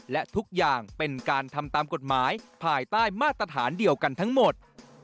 และทุกอย่างเป็นการทำตามกฎหมายภายใต้มาตรฐานเดียวกันทั้งหมด